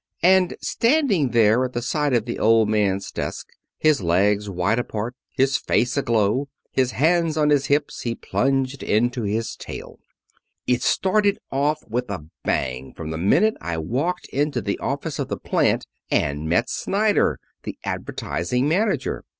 And standing there at the side of the Old Man's desk, his legs wide apart, his face aglow, his hands on his hips, he plunged into his tale. "It started off with a bang from the minute I walked into the office of the plant and met Snyder, the advertising manager.